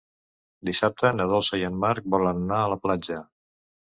Dissabte na Dolça i en Marc volen anar a la platja.